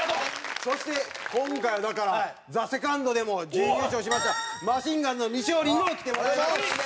そして今回はだからＴＨＥＳＥＣＯＮＤでも準優勝しましたマシンガンズの西堀にも来てもらいましたので。